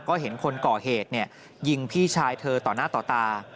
ก็เห็นคนก่อเหตุยิงพี่ชายเธอต่อหน้าต่อตา